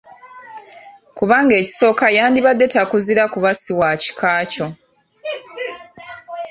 Kubanga ekisooka yandibadde takuzira kuba si wa kika kyo.